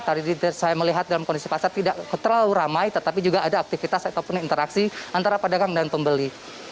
tadi saya melihat dalam kondisi pasar tidak terlalu ramai tetapi juga ada aktivitas ataupun interaksi antara pedagang dan pembeli